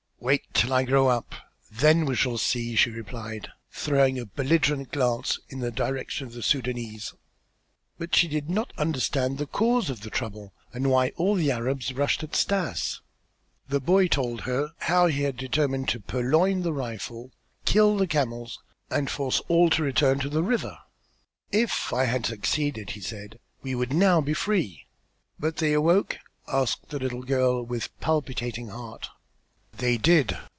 "Wait till I grow up, then they will see!" she replied, throwing a belligerent glance in the direction of the Sudânese. But as she did not understand the cause of the trouble and why all the Arabs rushed at Stas, the boy told her how he had determined to purloin the rifle, kill the camels, and force all to return to the river. "If I had succeeded," he said, "we would now be free." "But they awoke?" asked the little girl with palpitating heart. "They did.